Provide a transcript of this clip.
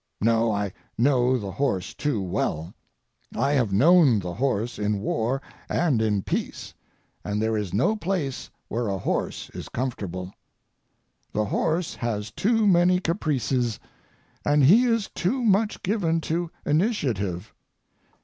No, I know the horse too well; I have known the horse in war and in peace, and there is no place where a horse is comfortable. The horse has too many caprices, and he is too much given to initiative.